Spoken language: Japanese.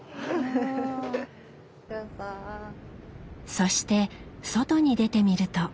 そして外に出てみると。